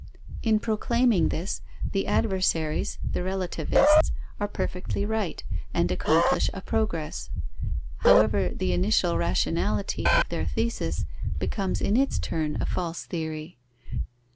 In proclaiming this, the adversaries, the relativists, are perfectly right, and accomplish a progress. However, the initial rationality of their thesis becomes in its turn a false theory.